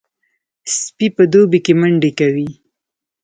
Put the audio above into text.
سپي په دوبي کې منډې کوي.